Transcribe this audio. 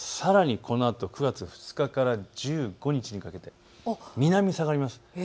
さらにこのあと９月２日から１５日にかけて南に下がります。